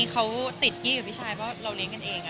เพราะเราเลี้ยงกันเอง